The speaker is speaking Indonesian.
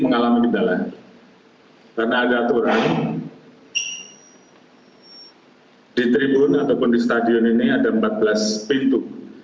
mengalami kendala karena ada aturan di tribun ataupun di stadion ini ada empat belas pintu